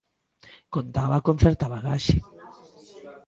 Contaba con certa bagaxe.